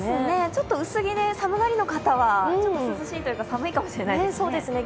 ちょっと薄着で寒がりの方は、涼しいというか、寒いかもしれませんね。